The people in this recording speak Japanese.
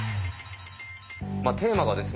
テーマがですね